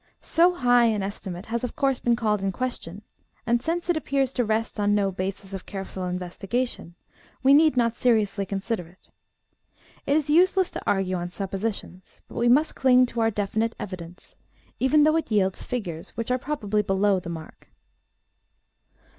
So high an estimate has, of course, been called in question, and, since it appears to rest on no basis of careful investigation, we need not seriously consider it. It is useless to argue on suppositions; we must cling to our definite evidence, even though it yields figures which are probably below the mark.